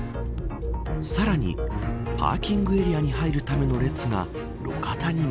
さらにパーキングエリアに入るための列が路肩にも。